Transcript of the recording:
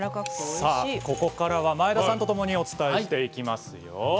さあここからは前田さんと共にお伝えしていきますよ。